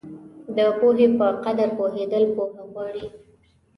د پوهې په قدر پوهېدل پوهه غواړي.